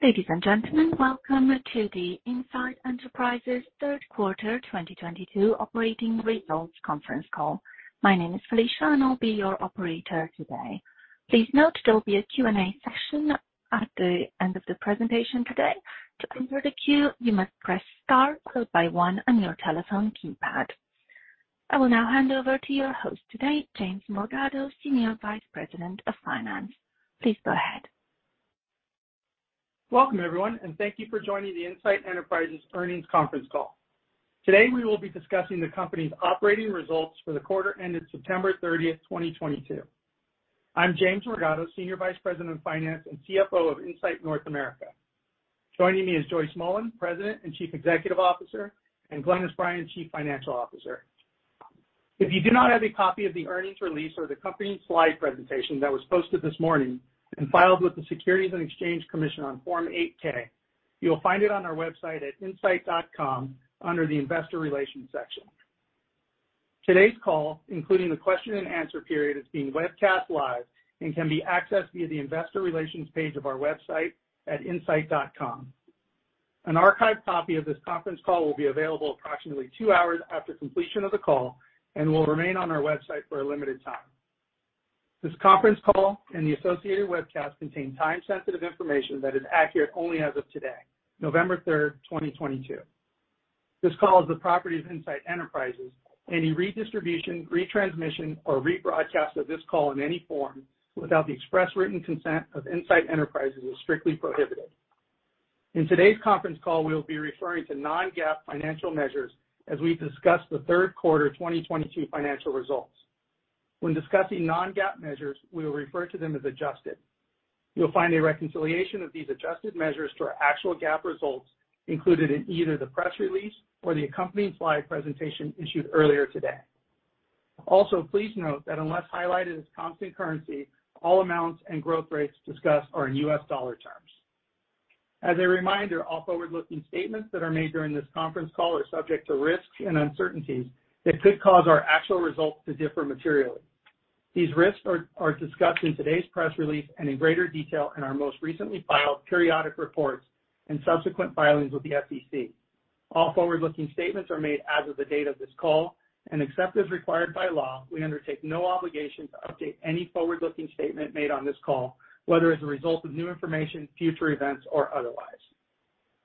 Ladies and gentlemen, welcome to the Insight Enterprises third quarter 2022 operating results conference call. My name is Felicia, and I'll be your operator today. Please note there will be a Q&A session at the end of the presentation today. To enter the queue, you must press star followed by one on your telephone keypad. I will now hand over to your host today, James Morgado, Senior Vice President of Finance. Please go ahead. Welcome, everyone, and thank you for joining the Insight Enterprises earnings conference call. Today, we will be discussing the company's operating results for the quarter ended September 30th, 2022. I'm James Morgado, Senior Vice President of Finance and CFO of Insight North America. Joining me is Joyce Mullen, President and Chief Executive Officer, and Glynis Bryan, Chief Financial Officer. If you do not have a copy of the earnings release or the company slide presentation that was posted this morning and filed with the Securities and Exchange Commission on Form 8-K, you'll find it on our website at insight.com under the Investor Relations section. Today's call, including the question and answer period, is being webcast live and can be accessed via the investor relations page of our website at insight.com. An archived copy of this conference call will be available approximately two hours after completion of the call and will remain on our website for a limited time. This conference call and the associated webcast contain time-sensitive information that is accurate only as of today, November 3rd, 2022. This call is the property of Insight Enterprises. Any redistribution, retransmission, or rebroadcast of this call in any form without the express written consent of Insight Enterprises is strictly prohibited. In today's conference call, we will be referring to non-GAAP financial measures as we discuss the third quarter of 2022 financial results. When discussing non-GAAP measures, we will refer to them as adjusted. You'll find a reconciliation of these adjusted measures to our actual GAAP results included in either the press release or the accompanying slide presentation issued earlier today. Also, please note that unless highlighted as constant currency, all amounts and growth rates discussed are in U.S. dollar terms. As a reminder, all forward-looking statements that are made during this conference call are subject to risks and uncertainties that could cause our actual results to differ materially. These risks are discussed in today's press release and in greater detail in our most recently filed periodic reports and subsequent filings with the SEC. All forward-looking statements are made as of the date of this call, and except as required by law, we undertake no obligation to update any forward-looking statement made on this call, whether as a result of new information, future events, or otherwise.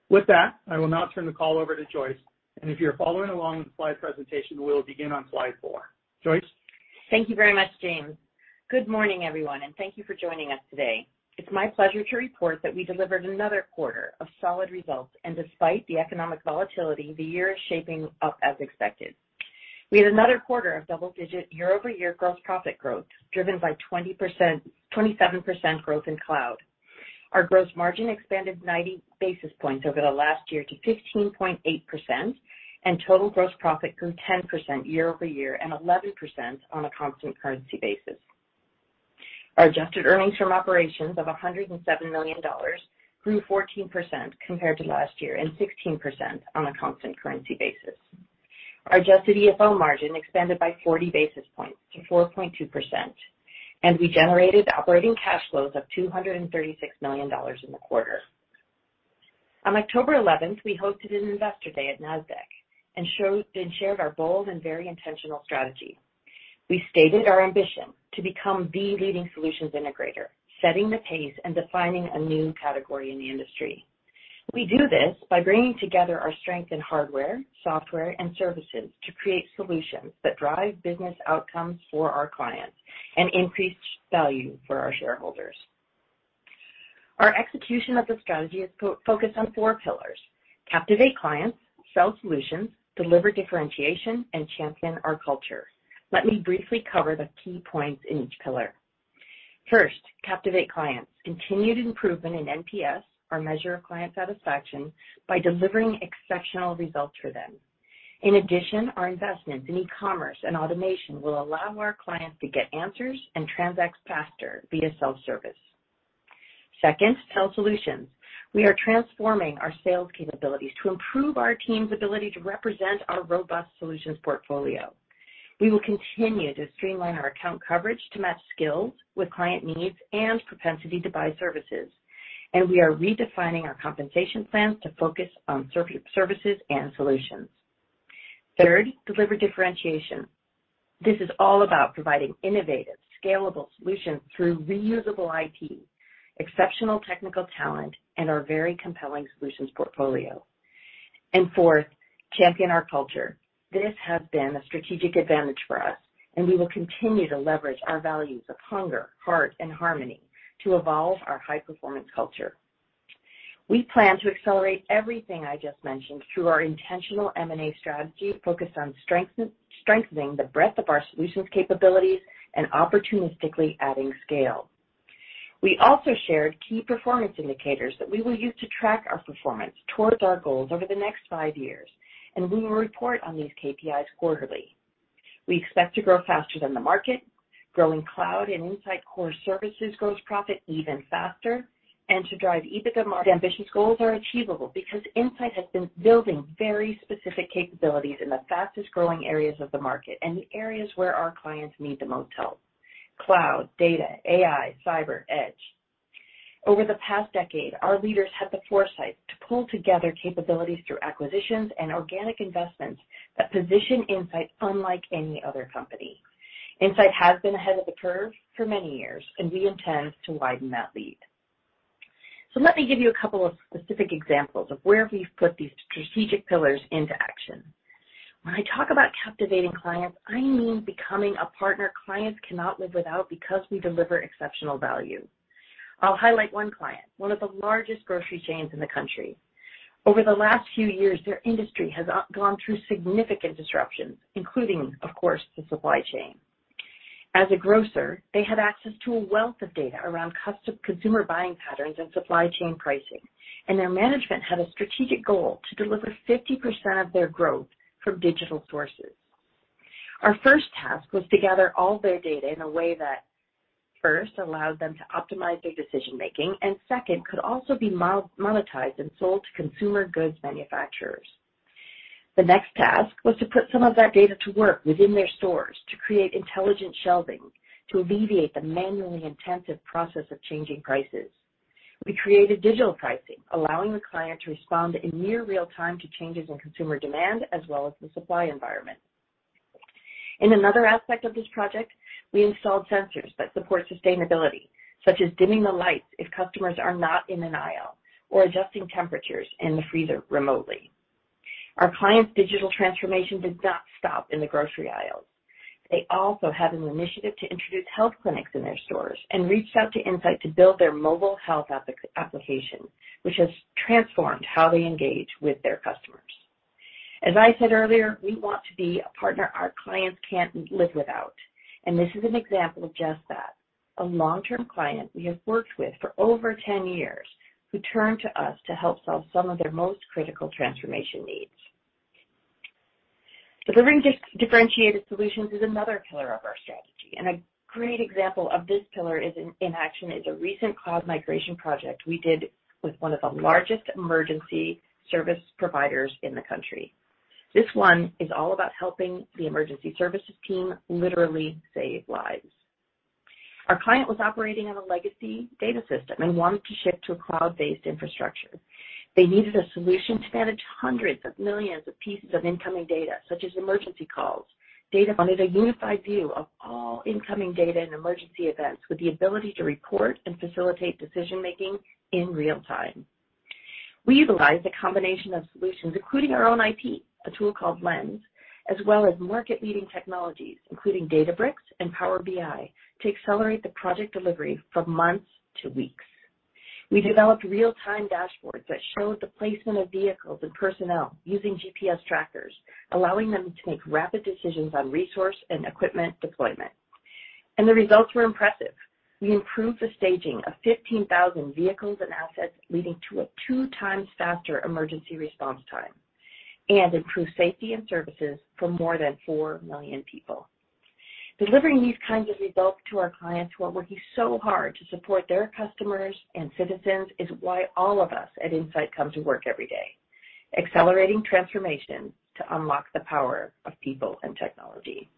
With that, I will now turn the call over to Joyce, and if you're following along in the slide presentation, we'll begin on slide four. Joyce? Thank you very much, James. Good morning, everyone, and thank you for joining us today. It's my pleasure to report that we delivered another quarter of solid results. Despite the economic volatility, the year is shaping up as expected. We had another quarter of double-digit year-over-year gross profit growth, driven by 27% growth in cloud. Our gross margin expanded 90 basis points over the last year to 15.8%, and total gross profit grew 10% year-over-year and 11% on a constant currency basis. Our adjusted earnings from operations of $107 million grew 14% compared to last year and 16% on a constant currency basis. Our adjusted EFO margin expanded by 40 basis points to 4.2%, and we generated operating cash flows of $236 million in the quarter. On October 11th, we hosted an Investor Day at Nasdaq and showed and shared our bold and very intentional strategy. We stated our ambition to become the leading solutions integrator, setting the pace and defining a new category in the industry. We do this by bringing together our strength in hardware, software, and services to create solutions that drive business outcomes for our clients and increase value for our shareholders. Our execution of the strategy is focused on four pillars, captivate clients, sell solutions, deliver differentiation, and champion our culture. Let me briefly cover the key points in each pillar. First, captivate clients. Continued improvement in NPS, our measure of client satisfaction, by delivering exceptional results for them. In addition, our investments in e-commerce and automation will allow our clients to get answers and transact faster via self-service. Second, sell solutions. We are transforming our sales capabilities to improve our team's ability to represent our robust solutions portfolio. We will continue to streamline our account coverage to match skills with client needs and propensity to buy services, and we are redefining our compensation plans to focus on services and solutions. Third, deliver differentiation. This is all about providing innovative, scalable solutions through reusable IP, exceptional technical talent, and our very compelling solutions portfolio. Fourth, champion our culture. This has been a strategic advantage for us, and we will continue to leverage our values of hunger, heart, and harmony to evolve our high-performance culture. We plan to accelerate everything I just mentioned through our intentional M&A strategy focused on strengthening the breadth of our solutions capabilities and opportunistically adding scale. We also shared key performance indicators that we will use to track our performance toward our goals over the next five years, and we will report on these KPIs quarterly. We expect to grow faster than the market, growing cloud and Insight Core services gross profit even faster, and to drive EBITDA margin. These ambitious goals are achievable because Insight has been building very specific capabilities in the fastest-growing areas of the market and the areas where our clients need the most help. Cloud, data, AI, cyber, edge. Over the past decade, our leaders had the foresight to pull together capabilities through acquisitions and organic investments that position Insight unlike any other company. Insight has been ahead of the curve for many years, and we intend to widen that lead. Let me give you a couple of specific examples of where we've put these strategic pillars into action. When I talk about captivating clients, I mean becoming a partner clients cannot live without because we deliver exceptional value. I'll highlight one client, one of the largest grocery chains in the country. Over the last few years, their industry has gone through significant disruptions, including, of course, the supply chain. As a grocer, they had access to a wealth of data around customer consumer buying patterns and supply chain pricing, and their management had a strategic goal to deliver 50% of their growth from digital sources. Our first task was to gather all their data in a way that, first, allowed them to optimize their decision-making, and second, could also be monetized and sold to consumer goods manufacturers. The next task was to put some of that data to work within their stores to create intelligent shelving to alleviate the manually intensive process of changing prices. We created digital pricing, allowing the client to respond in near real time to changes in consumer demand as well as the supply environment. In another aspect of this project, we installed sensors that support sustainability, such as dimming the lights if customers are not in an aisle or adjusting temperatures in the freezer remotely. Our client's digital transformation did not stop in the grocery aisles. They also had an initiative to introduce health clinics in their stores and reached out to Insight to build their mobile health application, which has transformed how they engage with their customers. As I said earlier, we want to be a partner our clients can't live without, and this is an example of just that. A long-term client we have worked with for over 10 years, who turned to us to help solve some of their most critical transformation needs. Delivering differentiated solutions is another pillar of our strategy, and a great example of this pillar in action is a recent cloud migration project we did with one of the largest emergency service providers in the country. This one is all about helping the emergency services team literally save lives. Our client was operating on a legacy data system and wanted to shift to a cloud-based infrastructure. They needed a solution to manage hundreds of millions of pieces of incoming data, such as emergency calls, data monitor, a unified view of all incoming data and emergency events with the ability to report and facilitate decision-making in real time. We utilized a combination of solutions, including our own IP, a tool called Lens, as well as market-leading technologies, including Databricks and Power BI, to accelerate the project delivery from months to weeks. We developed real-time dashboards that showed the placement of vehicles and personnel using GPS trackers, allowing them to make rapid decisions on resource and equipment deployment. The results were impressive. We improved the staging of 15,000 vehicles and assets, leading to a 2x faster emergency response time and improved safety and services for more than four million people. Delivering these kinds of results to our clients who are working so hard to support their customers and citizens is why all of us at Insight come to work every day, accelerating transformation to unlock the power of people and technology.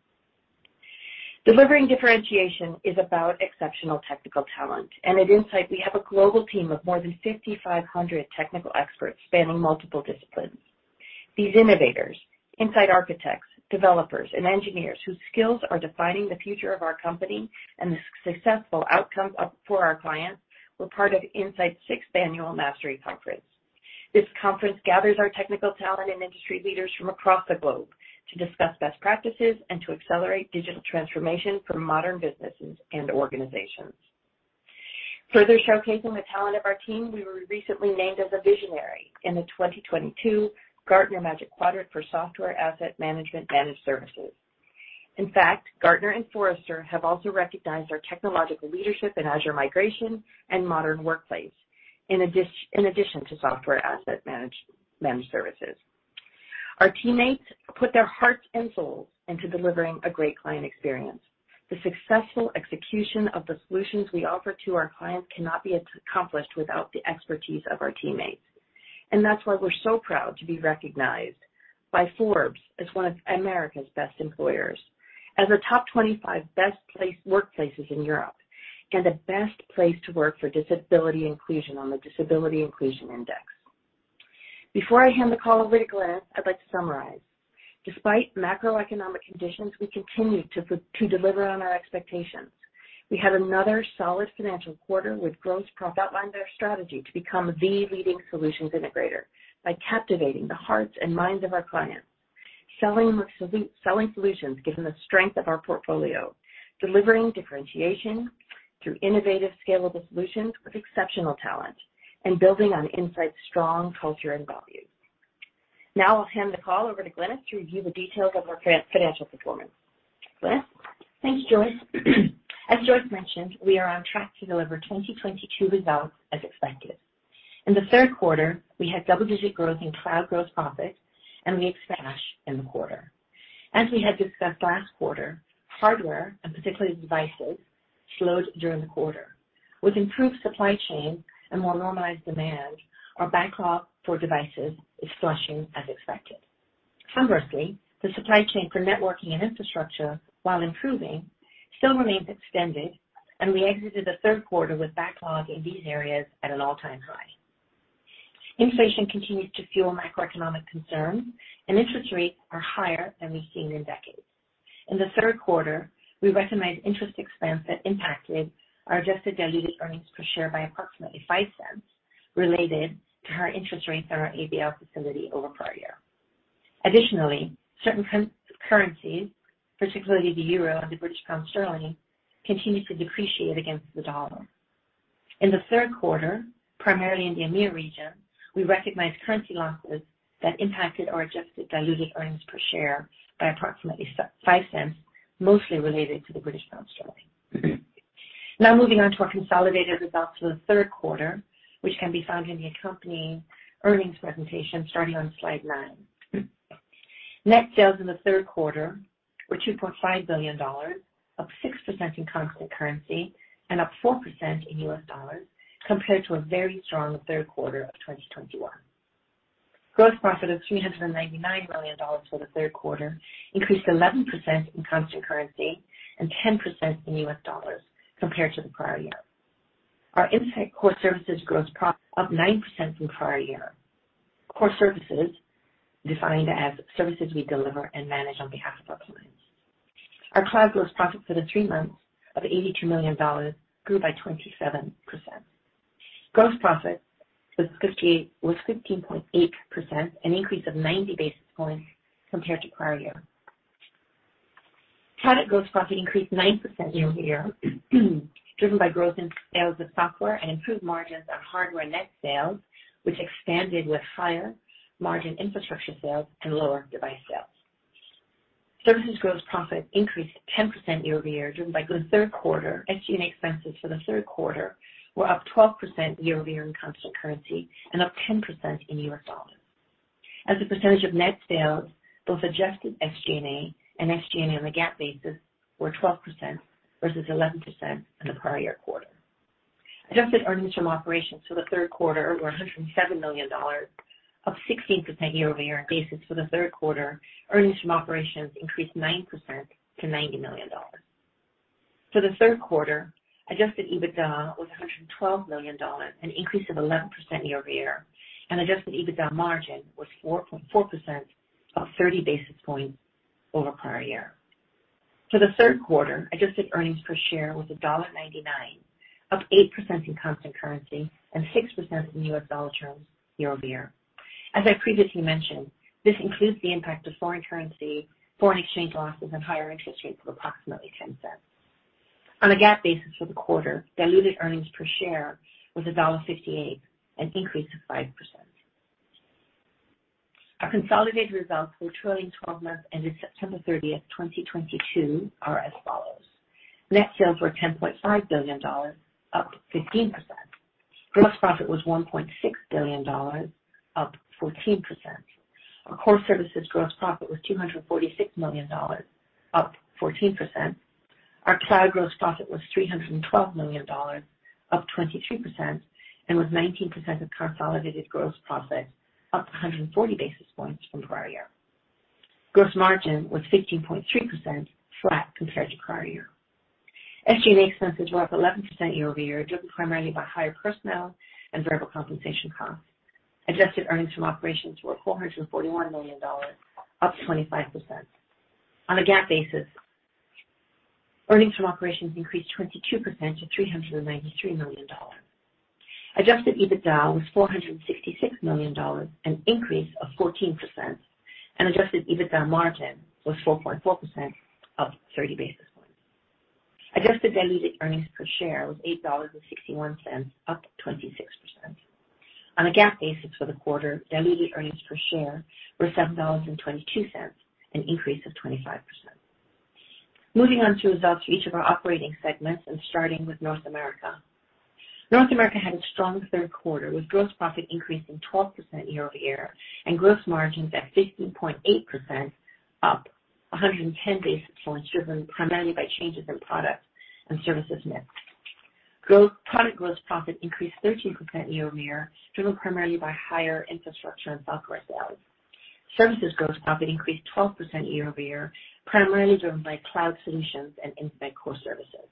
Delivering differentiation is about exceptional technical talent. At Insight, we have a global team of more than 5,500 technical experts spanning multiple disciplines. These innovators, insight architects, developers and engineers whose skills are defining the future of our company and the successful outcomes of, for our clients were part of Insight's sixth annual Mastery Conference. This conference gathers our technical talent and industry leaders from across the globe to discuss best practices and to accelerate digital transformation for modern businesses and organizations. Further showcasing the talent of our team, we were recently named as a visionary in the 2022 Gartner Magic Quadrant for Software Asset Management Managed Services. In fact, Gartner and Forrester have also recognized our technological leadership in Azure migration and modern workplace in addition to Software Asset Managed Services. Our teammates put their hearts and souls into delivering a great client experience. The successful execution of the solutions we offer to our clients cannot be accomplished without the expertise of our teammates. That's why we're so proud to be recognized by Forbes as one of America's Best Employers, as one of the 25 Best Workplaces in Europe, and the Best Place to Work for Disability Inclusion on the Disability Equality Index. Before I hand the call over to Glynis, I'd like to summarize. Despite macroeconomic conditions, we continue to deliver on our expectations. We had another solid financial quarter with gross profit. Outlined our strategy to become the leading solutions integrator by captivating the hearts and minds of our clients, selling solutions given the strength of our portfolio, delivering differentiation through innovative, scalable solutions with exceptional talent, and building on Insight's strong culture and values. Now I'll hand the call over to Glynis to review the details of our financial performance. Glynis? Thanks, Joyce. As Joyce mentioned, we are on track to deliver 2022 results as expected. In the third quarter, we had double-digit growth in cloud gross profit, and we expanded in the quarter. As we had discussed last quarter, hardware, and particularly devices, slowed during the quarter. With improved supply chain and more normalized demand, our backlog for devices is flushing as expected. Conversely, the supply chain for networking and infrastructure, while improving, still remains extended, and we exited the third quarter with backlog in these areas at an all-time high. Inflation continues to fuel macroeconomic concerns, and interest rates are higher than we've seen in decades. In the third quarter, we recognized interest expense that impacted our adjusted diluted EPS by approximately $0.05 related to higher interest rates on our ABL facility over prior year. Additionally, certain currencies, particularly the euro and the British pound sterling, continue to depreciate against the dollar. In the third quarter, primarily in the EMEA region, we recognized currency losses that impacted our adjusted diluted earnings per share by approximately $0.65, mostly related to the British pound sterling. Now moving on to our consolidated results for the third quarter, which can be found in the accompanying earnings presentation starting on slide nine. Net sales in the third quarter were $2.5 billion, up 6% in constant currency and up 4% in U.S. dollars compared to a very strong third quarter of 2021. Gross profit of $399 million for the third quarter increased 11% in constant currency and 10% in U.S. dollars compared to the prior year. Our Insight Core services gross profit up 9% from prior year. Core services defined as services we deliver and manage on behalf of our clients. Our cloud gross profit for the three months of $82 million grew by 27%. Gross profit was 15.8%, an increase of 90 basis points compared to prior year. Product gross profit increased 9% year-over-year, driven by growth in sales of software and improved margins on hardware net sales, which expanded with higher margin infrastructure sales and lower device sales. Services gross profit increased 10% year-over-year, driven by good third quarter. SG&A expenses for the third quarter were up 12% year-over-year in constant currency and up 10% in U.S. dollars. As a percentage of net sales, both adjusted SG&A and SG&A on the GAAP basis were 12% versus 11% in the prior year quarter. Adjusted earnings from operations for the third quarter were $107 million, up 16% year-over-year. On GAAP basis for the third quarter, earnings from operations increased 9% to $90 million. For the third quarter, adjusted EBITDA was $112 million, an increase of 11% year-over-year, and adjusted EBITDA margin was 4.4%, up 30 basis points over prior year. For the third quarter, adjusted earnings per share was $1.99, up 8% in constant currency and 6% in U.S. dollar terms year-over-year. As I previously mentioned, this includes the impact of foreign currency, foreign exchange losses and higher interest rates of approximately $0.10. On a GAAP basis for the quarter, diluted earnings per share was $1.58, an increase of 5%. Our consolidated results for the trailing twelve months ended September 30th, 2022 are as follows. Net sales were $10.5 billion, up 15%. Gross profit was $1.6 billion, up 14%. Our Core services gross profit was $246 million, up 14%. Our cloud gross profit was $312 million, up 23%, and was 19% of consolidated gross profit, up 140 basis points from prior year. Gross margin was 15.3%, flat compared to prior year. SG&A expenses were up 11% year-over-year, driven primarily by higher personnel and variable compensation costs. Adjusted earnings from operations were $441 million, up 25%. On a GAAP basis, earnings from operations increased 22% to $393 million. Adjusted EBITDA was $466 million, an increase of 14%, and adjusted EBITDA margin was 4.4%, up 30 basis points. Adjusted diluted earnings per share was $8.61, up 26%. On a GAAP basis for the quarter, diluted earnings per share were $7.22, an increase of 25%. Moving on to results for each of our operating segments and starting with North America. North America had a strong third quarter with gross profit increasing 12% year-over-year and gross margins at 15.8%, up 110 basis points, driven primarily by changes in product and services mix. Product gross profit increased 13% year-over-year, driven primarily by higher infrastructure and software sales. Services gross profit increased 12% year-over-year, primarily driven by cloud solutions and Insight Core services.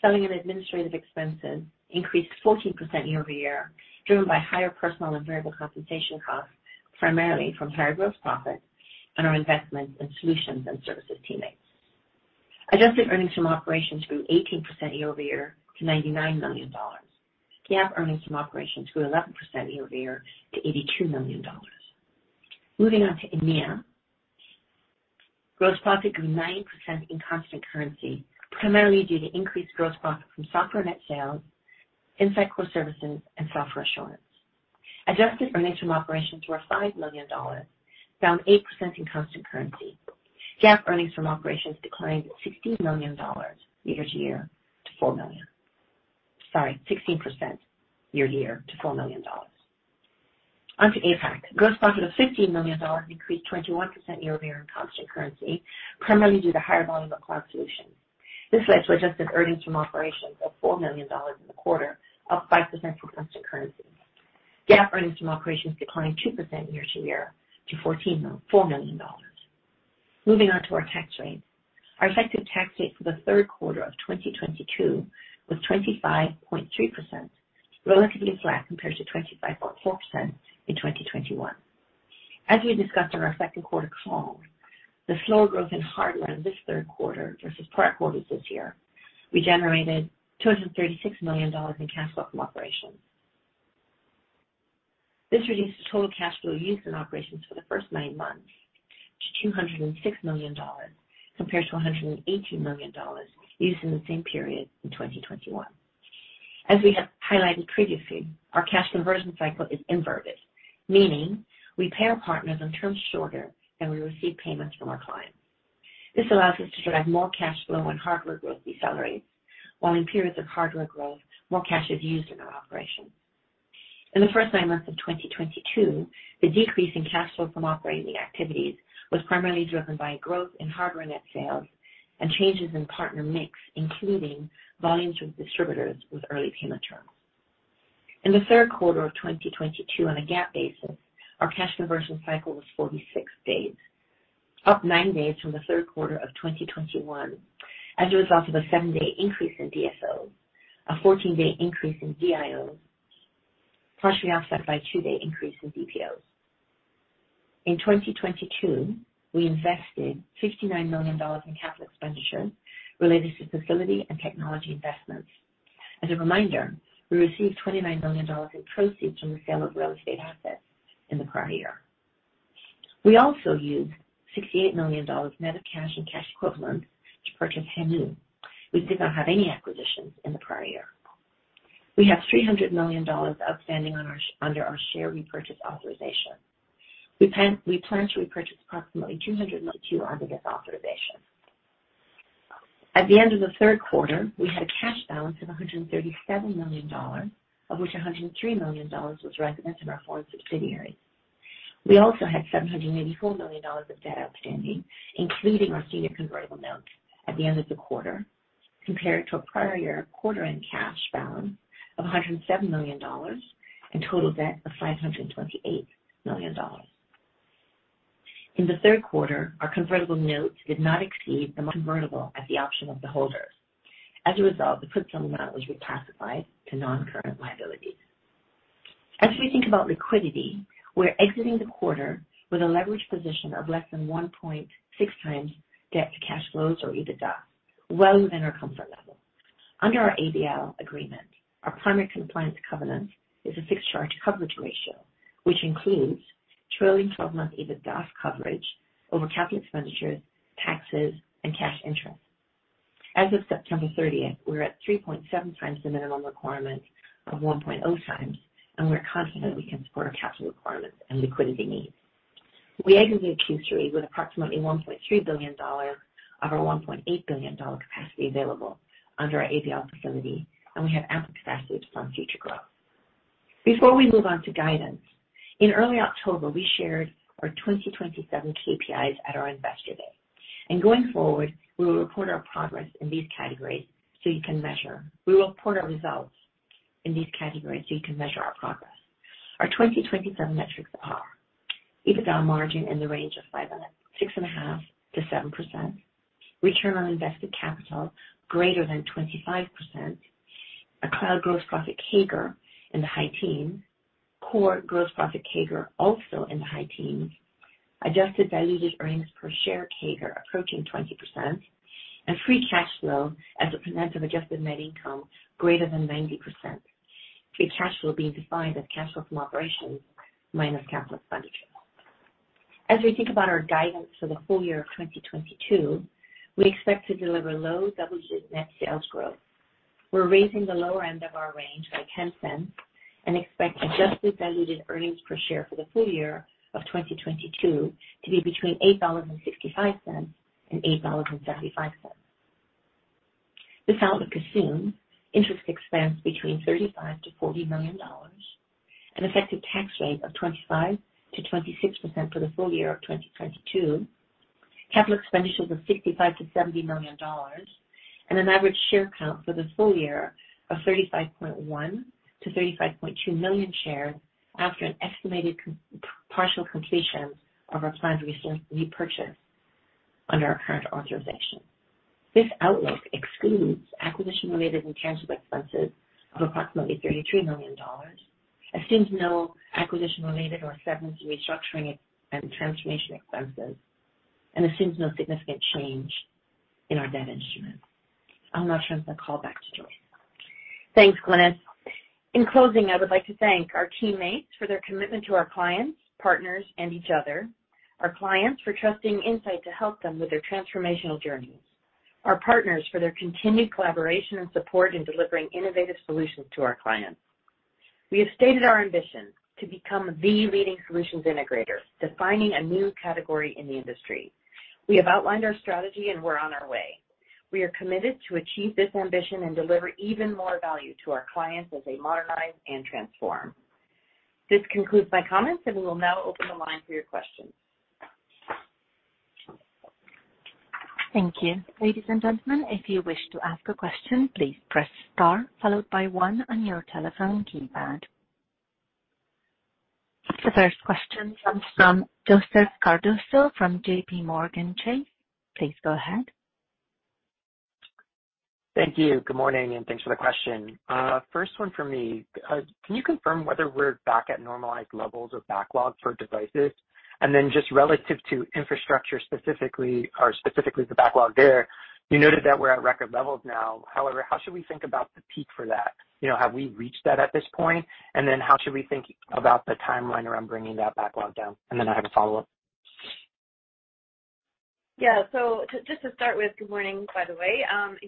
Selling and administrative expenses increased 14% year-over-year, driven by higher personnel and variable compensation costs, primarily from higher gross profits and our investment in solutions and services teammates. Adjusted earnings from operations grew 18% year-over-year to $99 million. GAAP earnings from operations grew 11% year-over-year to $82 million. Moving on to EMEA. Gross profit grew 9% in constant currency, primarily due to increased gross profit from software net sales, Insight Core services and software assurance. Adjusted earnings from operations were $5 million, down 8% in constant currency. GAAP earnings from operations declined 16% year-over-year to $4 million. On to APAC. Gross profit of $15 million increased 21% year-over-year in constant currency, primarily due to higher volume of cloud solutions. This led to adjusted earnings from operations of $4 million in the quarter, up 5% from constant currency. GAAP earnings from operations declined 2% year-over-year to $4 million. Moving on to our tax rate. Our effective tax rate for the third quarter of 2022 was 25.3%, relatively flat compared to 25.4% in 2021. As we discussed on our second quarter call, the slower growth in hardware this third quarter versus prior quarters this year, we generated $236 million in cash flow from operations. This reduced the total cash flow used in operations for the first nine months to $206 million compared to $118 million used in the same period in 2021. As we have highlighted previously, our cash conversion cycle is inverted, meaning we pay our partners in terms shorter than we receive payments from our clients. This allows us to drive more cash flow when hardware growth decelerates, while in periods of hardware growth, more cash is used in our operations. In the first nine months of 2022, the decrease in cash flow from operating the activities was primarily driven by growth in hardware net sales and changes in partner mix, including volumes with distributors with early payment terms. In the third quarter of 2022, on a GAAP basis, our cash conversion cycle was 46 days, up nine days from the third quarter of 2021 as a result of a seven-day increase in DSOs, a 14-day increase in DIOs, partially offset by a two-day increase in DPOs. In 2022, we invested $59 million in capital expenditures related to facility and technology investments. As a reminder, we received $29 million in proceeds from the sale of real estate assets in the prior year. We also used $68 million net of cash and cash equivalents to purchase Hanu. We did not have any acquisitions in the prior year. We have $300 million outstanding under our share repurchase authorization. We plan to repurchase approximately 200 under this authorization. At the end of the third quarter, we had a cash balance of $137 million, of which $103 million was resident in our foreign subsidiaries. We also had $784 million of debt outstanding, including our senior convertible notes at the end of the quarter, compared to a prior year quarter-end cash balance of $107 million and total debt of $528 million. In the third quarter, our convertible notes did not exceed the convertible at the option of the holders. As a result, the put sum amount was reclassified to non-current liabilities. As we think about liquidity, we're exiting the quarter with a leverage position of less than 1.6x debt-to-cash flows or EBITDA, well within our comfort level. Under our ABL agreement, our primary compliance covenant is a fixed charge coverage ratio, which includes trailing 12-month EBITDA coverage over capital expenditures, taxes, and cash interest. As of September 30th, we're at 3.7x the minimum requirement of 1.0x, and we're confident we can support our capital requirements and liquidity needs. We exited Q3 with approximately $1.3 billion of our $1.8 billion dollar capacity available under our ABL facility, and we have ample capacity to fund future growth. Before we move on to guidance, in early October, we shared our 2027 KPIs at our Investor Day. Going forward, we will report our progress in these categories so you can measure. We will report our results in these categories, so you can measure our progress. Our 2027 metrics are EBITDA margin in the range of 6.5%-7%, return on invested capital greater than 25%, a cloud gross profit CAGR in the high teens, Core gross profit CAGR also in the high teens, adjusted diluted earnings per share CAGR approaching 20%, and free cash flow as a percent of adjusted net income greater than 90%. Free cash flow being defined as cash flow from operations minus capital expenditures. As we think about our guidance for the full year of 2022, we expect to deliver low double-digit net sales growth. We're raising the lower end of our range by $0.10 And expect adjusted diluted earnings per share for the full year of 2022 to be between $8.65 and $8.75. This outlook assumes interest expense between $35 million-$40 million, an effective tax rate of 25%-26% for the full year of 2022, capital expenditures of $65 million-$70 million, and an average share count for the full year of 35.1 million-35.2 million shares after an estimated partial completion of our planned recent repurchase under our current authorization. This outlook excludes acquisition-related intangible expenses of approximately $33 million, assumes no acquisition-related or severance restructuring and transformation expenses, and assumes no significant change in our debt instruments. I'll now turn the call back to Joyce. Thanks, Glynis. In closing, I would like to thank our teammates for their commitment to our clients, partners, and each other, our clients for trusting Insight to help them with their transformational journeys, our partners for their continued collaboration and support in delivering innovative solutions to our clients. We have stated our ambition to become the leading solutions integrator, defining a new category in the industry. We have outlined our strategy, and we're on our way. We are committed to achieve this ambition and deliver even more value to our clients as they modernize and transform. This concludes my comments, and we will now open the line for your questions. Thank you. Ladies and gentlemen, if you wish to ask a question, please press star followed by one on your telephone keypad. The first question comes from Joseph Cardoso from JPMorgan Chase. Please go ahead. Thank you. Good morning, and thanks for the question. First one for me. Can you confirm whether we're back at normalized levels of backlog for devices? Just relative to infrastructure specifically, the backlog there, you noted that we're at record levels now. However, how should we think about the peak for that? You know, have we reached that at this point? How should we think about the timeline around bringing that backlog down? I have a follow-up. Yeah. Just to start with, good morning, by the way.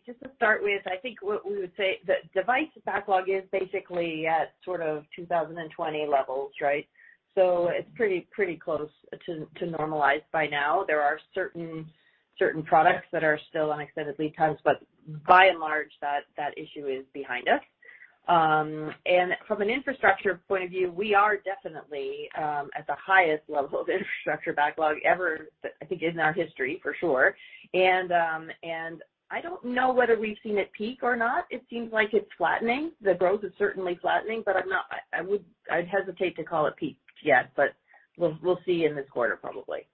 Just to start with, I think what we would say, the device backlog is basically at sort of 2020 levels, right? It's pretty close to normalized by now. There are certain products that are still on extended lead times, but by and large, that issue is behind us. From an infrastructure point of view, we are definitely at the highest level of infrastructure backlog ever, I think, in our history for sure. I don't know whether we've seen it peak or not. It seems like it's flattening. The growth is certainly flattening, but I'd hesitate to call it peaked yet, but we'll see in this quarter probably.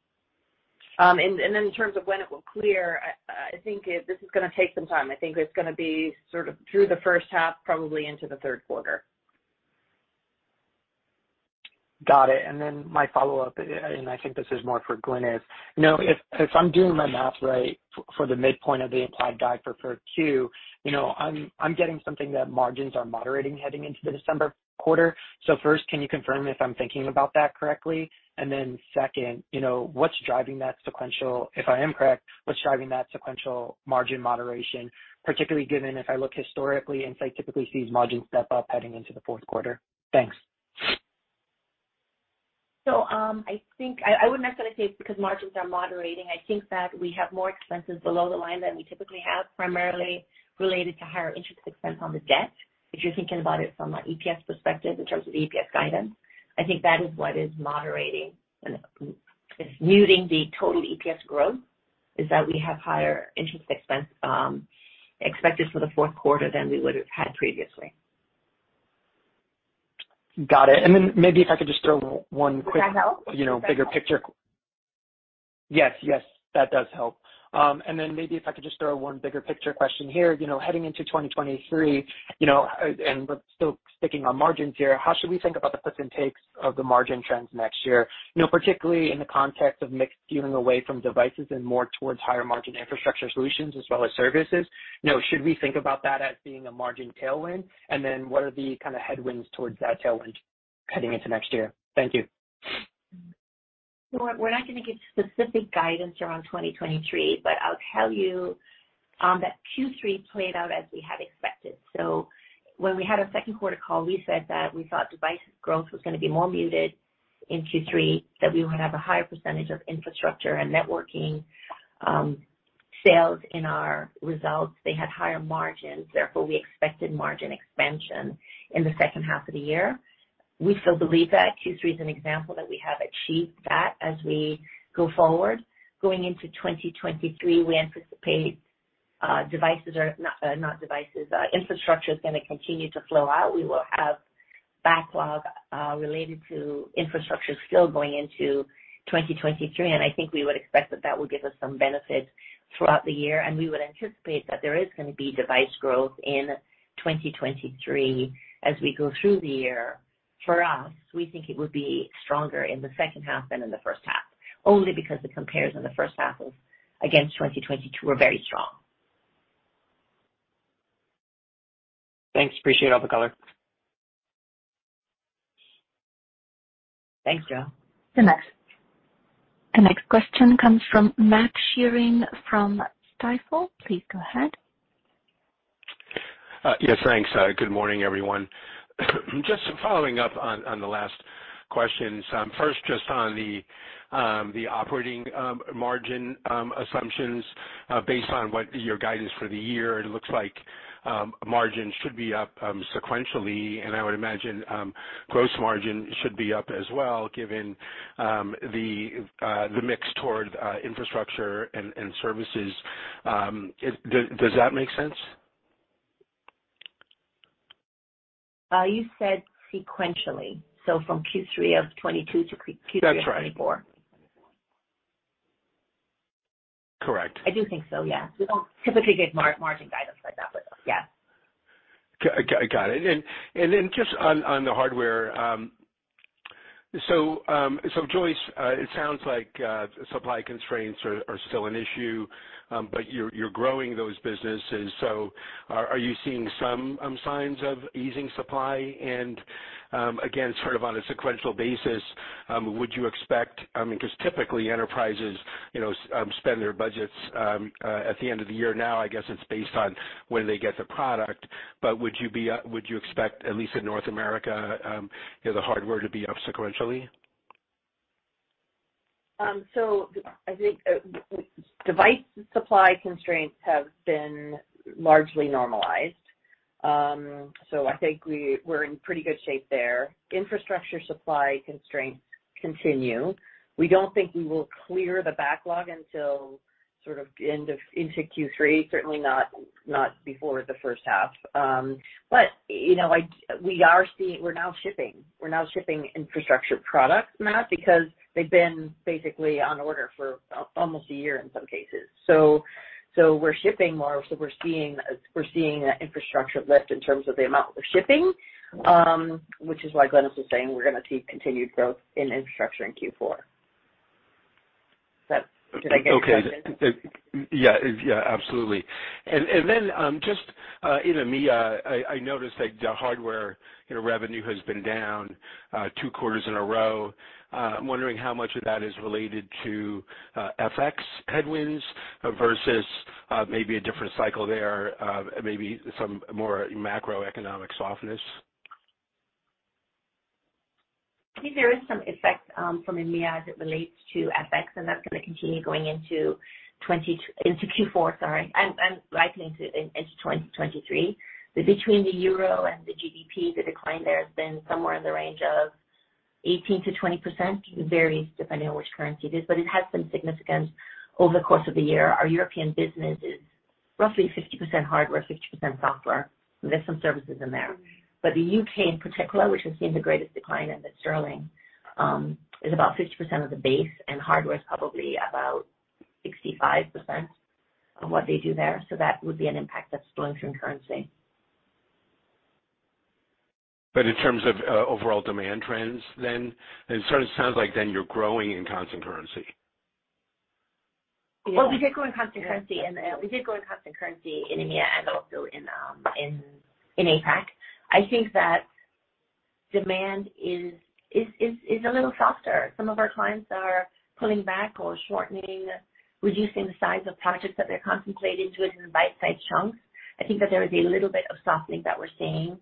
in terms of when it will clear, I think this is gonna take some time. I think it's gonna be sort of through the first half, probably into the third quarter. Got it. My follow-up, and I think this is more for Glynis. You know, if I'm doing my math right for the midpoint of the implied guide for 3Q, you know, I'm getting something that margins are moderating heading into the December quarter. First, can you confirm if I'm thinking about that correctly? Second, you know, what's driving that sequential? If I am correct, what's driving that sequential margin moderation, particularly given if I look historically, Insight typically sees margins step up heading into the fourth quarter? Thanks. I think I would not gonna say it's because margins are moderating. I think that we have more expenses below the line than we typically have, primarily related to higher interest expense on the debt. If you're thinking about it from an EPS perspective in terms of EPS guidance, I think that is what is moderating and muting the total EPS growth, is that we have higher interest expense expected for the fourth quarter than we would have had previously. Got it. Maybe if I could just throw one quick- Does that help? You know, bigger picture. Yes, yes, that does help. Then maybe if I could just throw one bigger picture question here. You know, heading into 2023, you know, still sticking on margins here, how should we think about the puts and takes of the margin trends next year? You know, particularly in the context of mix steering away from devices and more towards higher margin infrastructure solutions as well as services. You know, should we think about that as being a margin tailwind? Then what are the kind of headwinds towards that tailwind heading into next year? Thank you. We're not going to give specific guidance around 2023, but I'll tell you that Q3 played out as we had expected. When we had our second quarter call, we said that we thought device growth was going to be more muted in Q3, that we would have a higher percentage of infrastructure and networking sales in our results. They had higher margins, therefore we expected margin expansion in the second half of the year. We still believe that. Q3 is an example that we have achieved that as we go forward. Going into 2023, we anticipate infrastructure is going to continue to flow out. We will have backlog related to infrastructure still going into 2023, and I think we would expect that will give us some benefit throughout the year. We would anticipate that there is going to be device growth in 2023 as we go through the year. For us, we think it would be stronger in the second half than in the first half, only because the compares in the first half against 2022 were very strong. Thanks. Appreciate all the color. Thanks, Joe. The next question comes from Matt Sheerin from Stifel. Please go ahead. Yes, thanks. Good morning, everyone. Just following up on the last questions. First, just on the operating margin assumptions, based on what your guidance for the year, it looks like margin should be up sequentially, and I would imagine gross margin should be up as well, given the mix toward infrastructure and services. Does that make sense? You said sequentially, so from Q3 of 2022 to Q3 of 2024. That's right. Correct. I do think so, yeah. We don't typically give margin guidance like that, but yeah. Got it. Then just on the hardware. Joyce, it sounds like supply constraints are still an issue, but you're growing those businesses. Are you seeing some signs of easing supply? Again, sort of on a sequential basis, would you expect, I mean, 'cause typically enterprises, you know, spend their budgets at the end of the year. Now, I guess it's based on when they get the product. Would you expect, at least in North America, you know, the hardware to be up sequentially? I think device supply constraints have been largely normalized. I think we're in pretty good shape there. Infrastructure supply constraints continue. We don't think we will clear the backlog until sort of end of Q2 into Q3, certainly not before the first half. You know, we're now shipping infrastructure products, Matt, because they've been basically on order for almost a year in some cases. So we're shipping more, so we're seeing an infrastructure lift in terms of the amount we're shipping, which is why Glynis was saying we're gonna see continued growth in infrastructure in Q4. Did I get your question? Okay. Yeah. Yeah, absolutely. Just in EMEA, I noticed that the hardware, you know, revenue has been down two quarters in a row. I'm wondering how much of that is related to FX headwinds versus maybe a different cycle there, maybe some more macroeconomic softness. I think there is some effect from EMEA as it relates to FX, and that's gonna continue going into Q4, sorry, and likely into 2023. Between the euro and the GBP, the decline there has been somewhere in the range of 18%-20%. It varies depending on which currency it is, but it has been significant over the course of the year. Our European business is roughly 50% hardware, 50% software. There's some services in there. The UK in particular, which has seen the greatest decline in the sterling, is about 50% of the base, and hardware is probably about 65% of what they do there. That would be an impact that's flowing from currency. In terms of overall demand trends then, it sort of sounds like then you're growing in constant currency. Well, we did grow in constant currency in EMEA and also in APAC. I think that demand is a little softer. Some of our clients are pulling back or shortening, reducing the size of projects that they're contemplating do it in bite-sized chunks. I think that there is a little bit of softening that we're seeing,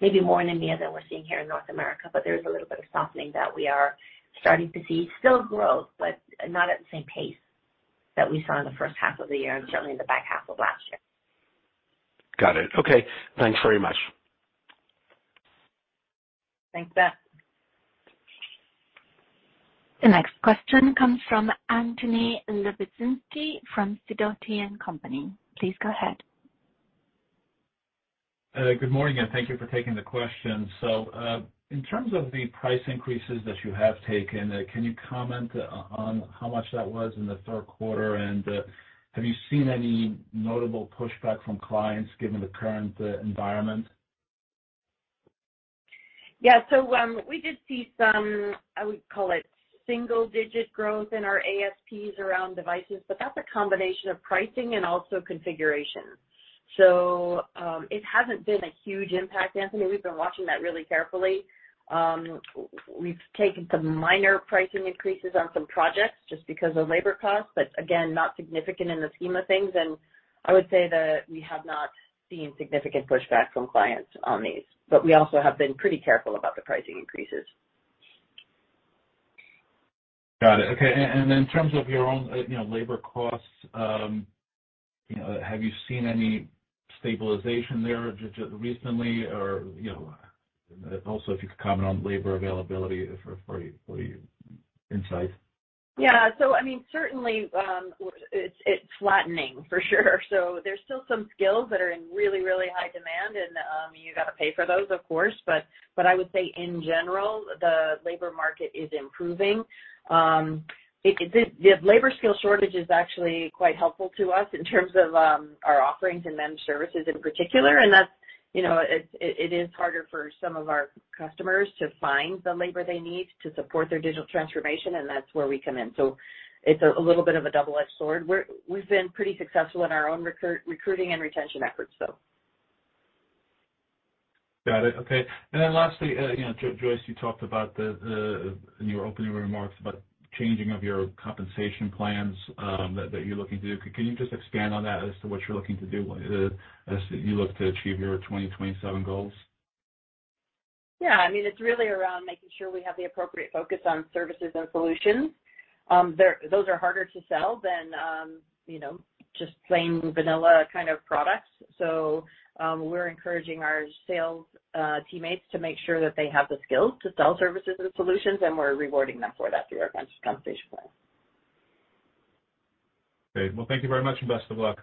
maybe more in EMEA than we're seeing here in North America, but there is a little bit of softening that we are starting to see. Still growth, but not at the same pace that we saw in the first half of the year and certainly in the back half of last year. Got it. Okay. Thanks very much. Thanks, Matt. The next question comes from Anthony Lebiedzinski from Sidoti & Company. Please go ahead. Good morning, and thank you for taking the question. In terms of the price increases that you have taken, can you comment on how much that was in the third quarter? Have you seen any notable pushback from clients given the current environment? Yeah. We did see some, I would call it single-digit growth in our ASPs around devices, but that's a combination of pricing and also configuration. It hasn't been a huge impact, Anthony. We've been watching that really carefully. We've taken some minor pricing increases on some projects just because of labor costs, but again, not significant in the scheme of things. I would say that we have not seen significant pushback from clients on these, but we also have been pretty careful about the pricing increases. Got it. Okay. In terms of your own, you know, labor costs, you know, have you seen any stabilization there just recently or, you know, also if you could comment on labor availability for your Insight. Yeah. I mean, certainly, it's flattening for sure. There's still some skills that are in really, really high demand, and you gotta pay for those, of course. But I would say in general, the labor market is improving. The labor skill shortage is actually quite helpful to us in terms of our offerings and managed services in particular. That's, you know, it is harder for some of our customers to find the labor they need to support their digital transformation, and that's where we come in. It's a little bit of a double-edged sword. We've been pretty successful in our own recruiting and retention efforts, so. Got it. Okay. Then lastly, you know, Joyce, you talked about the change in your compensation plans that you're looking to do. Can you just expand on that as to what you're looking to do as you look to achieve your 2027 goals? Yeah. I mean, it's really around making sure we have the appropriate focus on services and solutions. Those are harder to sell than, you know, just plain vanilla kind of products. We're encouraging our sales teammates to make sure that they have the skills to sell services and solutions, and we're rewarding them for that through our compensation plan. Great. Well, thank you very much, and best of luck.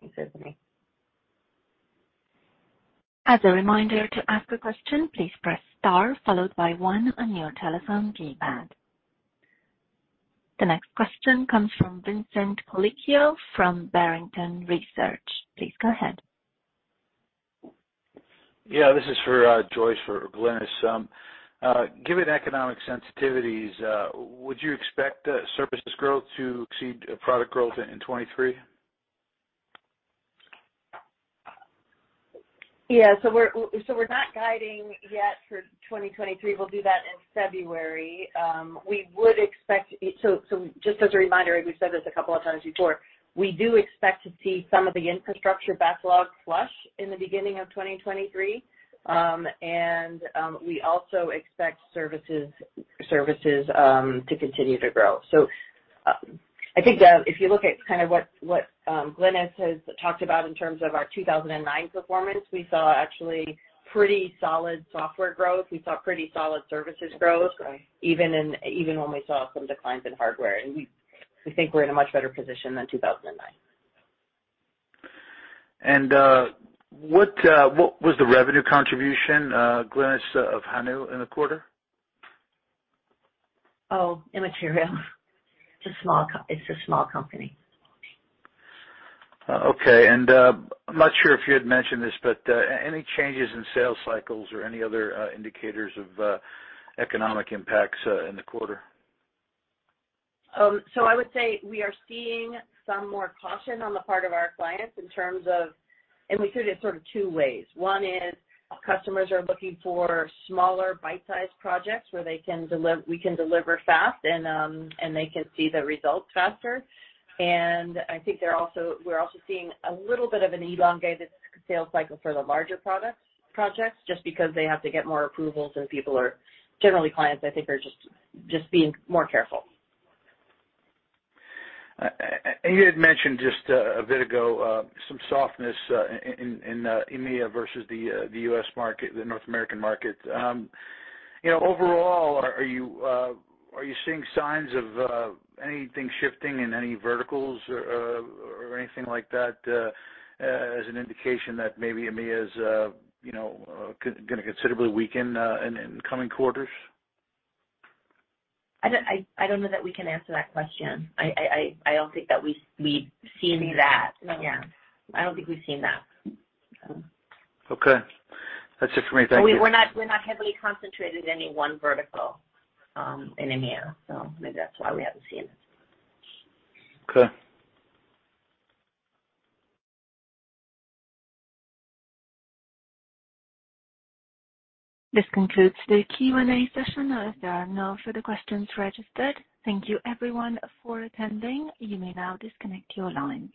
Thanks, Anthony. As a reminder, to ask a question, please press star followed by one on your telephone keypad. The next question comes from Vincent Colicchio from Barrington Research. Please go ahead. This is for Joyce or Glynis. Given economic sensitivities, would you expect services growth to exceed product growth in 2023? Yeah. We're not guiding yet for 2023. We'll do that in February. Just as a reminder, we've said this a couple of times before. We do expect to see some of the infrastructure backlog flush in the beginning of 2023. We also expect services to continue to grow. I think if you look at kind of what Glynis has talked about in terms of our 2009 performance, we saw actually pretty solid software growth. We saw pretty solid services growth. That's right. Even when we saw some declines in hardware. We think we're in a much better position than 2009. What was the revenue contribution, Glynis, of Hanu in the quarter? Oh, immaterial. It's a small company. Okay. I'm not sure if you had mentioned this, but any changes in sales cycles or any other indicators of economic impacts in the quarter? I would say we are seeing some more caution on the part of our clients in terms of. We see it as sort of two ways. One is customers are looking for smaller bite-sized projects where we can deliver fast and they can see the results faster. I think we're also seeing a little bit of an elongated sales cycle for the larger projects, just because they have to get more approvals and generally, clients I think are just being more careful. You had mentioned just a bit ago some softness in EMEA versus the U.S. market, the North American market. You know, overall, are you seeing signs of anything shifting in any verticals or anything like that as an indication that maybe EMEA is you know gonna considerably weaken in coming quarters? I don't know that we can answer that question. I don't think that we've seen that. Okay. Yeah. I don't think we've seen that. Okay. That's it for me. Thank you. We're not heavily concentrated in any one vertical, in EMEA, so maybe that's why we haven't seen it. Okay. This concludes the Q&A session as there are no further questions registered. Thank you everyone for attending. You may now disconnect your line.